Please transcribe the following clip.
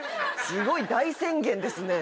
すごい大宣言ですね